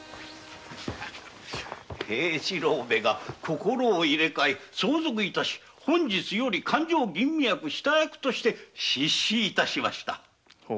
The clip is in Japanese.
平四郎めが心を入れかえ相続を致し本日より勘定吟味役下役として出仕致しました。